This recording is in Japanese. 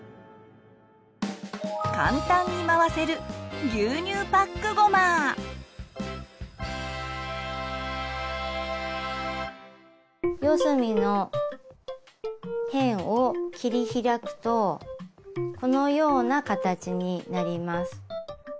簡単に回せる四隅の辺を切り開くとこのような形になります。